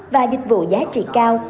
và dịch vụ giá trị cao